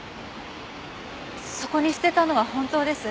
そこに捨てたのは本当です。